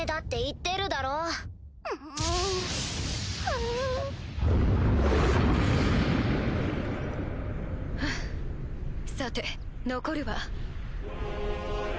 フゥさて残るは。